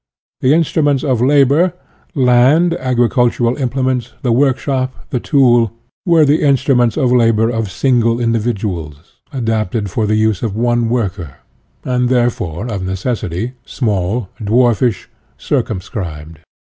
The instruments of labor land, agricultural implements, the workshop, the tool were the instruments of labor of single individuals, adapted for the use of one worker, and, therefore, of necessity, small, dwarfish, circumscribed.